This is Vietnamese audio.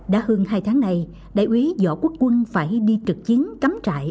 đã hơn hai tháng này đại úy võ quốc quân phải đi trực chiến cắm trại